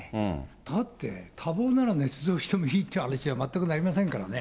だって多忙ならねつ造してもいいって話には全くなりませんからね。